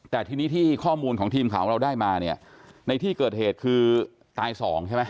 แต่ทีนี้ที่ข้อมูลของทีมข่าวของเราได้มาเนี่ยในที่เกิดเหตุคือตายสองใช่ไหม